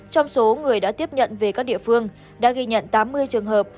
trong số người đã tiếp nhận về các địa phương đã ghi nhận tám mươi trường hợp